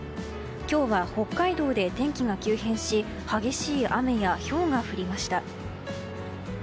今日は北海道で天気が急変し激しい雨やひょうが降りました。